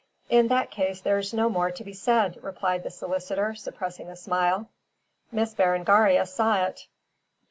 "In that case there's no more to be said," replied the solicitor, suppressing a smile. Miss Berengaria saw it.